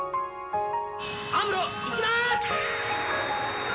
アムロいきます！